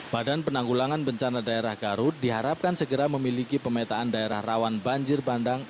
badan penanggulangan bencana daerah garut diharapkan segera memiliki pemetaan daerah rawan banjir bandang